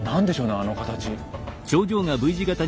あの形。